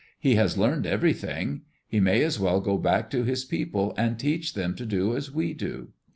He has learned everything. He may as well go back to his people and teach them to do as we do."